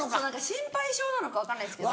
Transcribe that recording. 心配性なのか分かんないですけど。